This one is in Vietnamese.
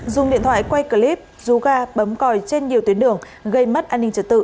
dùng điện thoại quay clip rú ga bấm còi trên nhiều tuyến đường gây mất an ninh trật tự